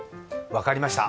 分かりました。